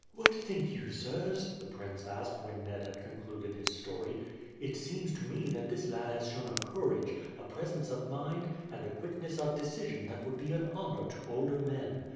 "What think you, sirs," the prince asked when Ned had concluded his story. "It seems to me that this lad has shown a courage, a presence of mind, and a quickness of decision that would be an honour to older men.